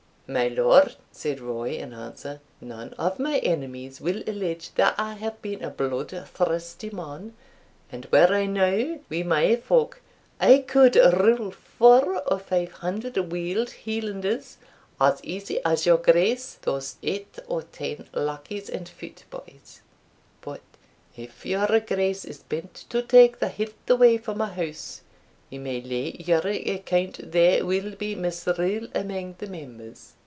"My Lord," said Roy in answer, "none of my enemies will allege that I have been a bloodthirsty man, and were I now wi' my folk, I could rule four or five hundred wild Hielanders as easy as your Grace those eight or ten lackeys and foot boys But if your Grace is bent to take the head away from a house, ye may lay your account there will be misrule amang the members.